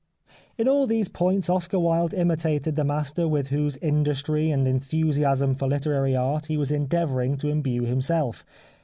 In all these points Oscar Wilde imitated the master with whose industry and enthusiasm for literary art he was endeavouring to imbue himself.